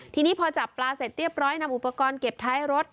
ทีนี้พอจับปลาเสร็จเรียบร้อยนำอุปกรณ์เก็บท้ายรถ